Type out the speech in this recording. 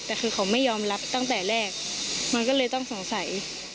แต่คือเขาไม่ยอมรับตั้งแต่แรกมันก็เลยต้องสงสัย